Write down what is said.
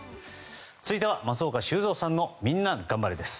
続いては、松岡修造さんのみんながん晴れです。